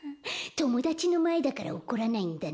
ともだちのまえだから怒らないんだな。